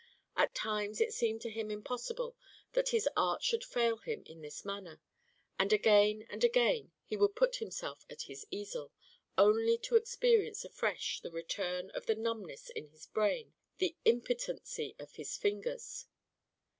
At times it seemed to him impossible that his art should fail him in this manner, and again and again he would put himself at his easel, only to experience afresh the return of the numbness in his brain, the impotency of his fingers.